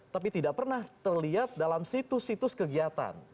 tapi tidak pernah terlihat dalam situs situs kegiatan